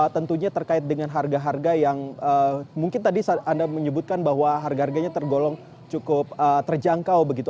tentunya terkait dengan harga harga yang mungkin tadi anda menyebutkan bahwa harga harganya tergolong cukup terjangkau begitu